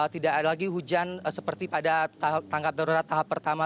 tidak ada lagi hujan seperti pada tangkap darurat tahap pertama